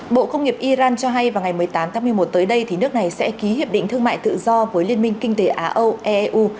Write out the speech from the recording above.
bộ công nghiệp iran cho hay vào ngày một mươi tám tháng một mươi một tới đây nước này sẽ ký hiệp định thương mại tự do với liên minh kinh tế á âu eeu